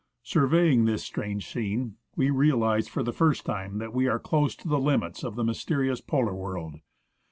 Surveying this strange scene, we realized for the first time that we were close to the limits of the mysterious Polar world.